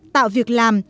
tạo việc làm